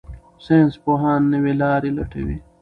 ساينسپوهان نوې لارې لټوي.